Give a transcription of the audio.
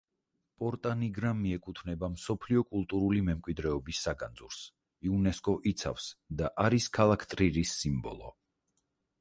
პორტა ნიგრა მიეკუთვნება მსოფლიო კულტურული მემკვიდრეობის საგანძურს, იუნესკო იცავს და არის ქალაქ ტრირის სიმბოლო.